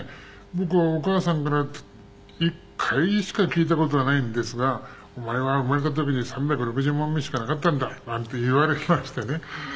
僕はお母さんから１回しか聞いた事がないのですが「お前は生まれた時に３６０匁しかなかったんだ」なんて言われましてね。